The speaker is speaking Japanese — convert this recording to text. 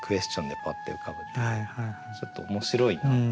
ちょっと面白いなと。